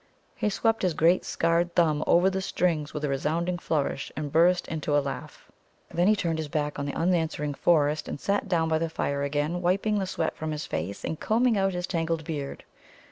He swept his great scarred thumb over the strings with a resounding flourish, and burst into a laugh. Then he turned his back on the unanswering forest, and sat down by the fire again, wiping the sweat from his face and combing out his tangled beard.